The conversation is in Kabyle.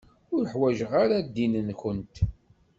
Ur ḥwaǧeɣ ara ddin-nkent.